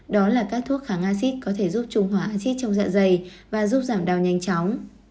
đó là các thuốc kháng acid có thể giúp trùng hỏa acid trong dạ dày và giúp giảm đau nhanh chóng